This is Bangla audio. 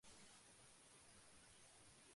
তোমরা যেন এই ভুল করিও না।